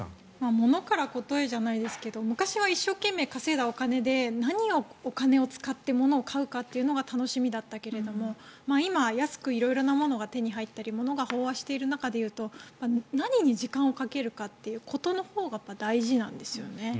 ものからことへじゃないですけど昔は一生懸命稼いだお金で何にお金を使って物を買うかが楽しみだったけど今、安く色々なものが手に入って飽和してる中で言うと何に時間をかけるかということのほうが大事なんですよね。